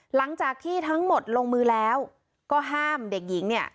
หลังจากที่ทั้งหมดลงมือแล้วก็ห้ามเด็กหญิงเนี่ย